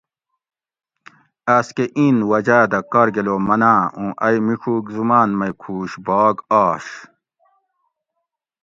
آس کہ این وجاۤ دہ کار گلو مناں اوں ائ میڄوک زماۤن مئ کھوش باگ آش